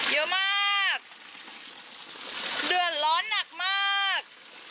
เยอะมากเดือดร้อนหนักมาก